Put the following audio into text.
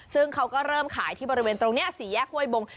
ซึ่งเขาก็เริ่มขายที่บริเวณตรงนี้สี่แยกห้วยบง